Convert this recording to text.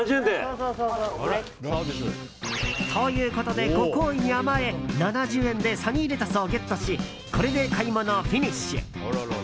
ということで、ご厚意に甘え７０円でサニーレタスをゲットしこれで買い物フィニッシュ。